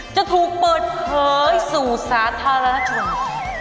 จะถูกเปิดเผยสู่สาธารณชน